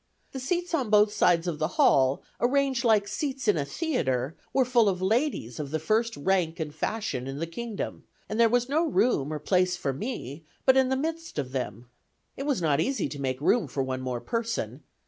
The seats on both sides of the hall, arranged like the seats in a theatre, were all full of ladies of the first rank and fashion in the kingdom, and there was no room or place for me but in the midst of them. It was not easy to make room, for one more person.